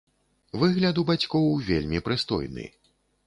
Выгляд у бацькоў вельмі прыстойны.